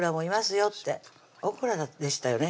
よってオクラでしたよね